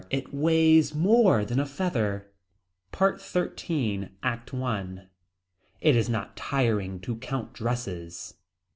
It weighs more than a feather. PART XIII. ACT I. It is not tiring to count dresses.